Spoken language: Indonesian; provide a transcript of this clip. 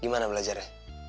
gimana belajar ya